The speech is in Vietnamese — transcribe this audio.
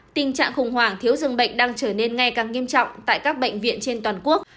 tình trạng khủng hoảng thiếu dường bệnh đang trở nên ngay càng nghiêm trọng tại các bệnh viện trên toàn quốc